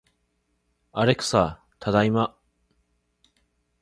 アレクサ、ただいま